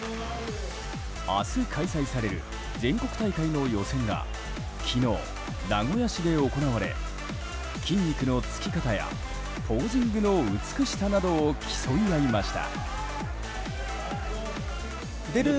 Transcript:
明日開催される全国大会の予選が昨日、名古屋市で行われ筋肉のつき方やポージングの美しさなどを競い合いました。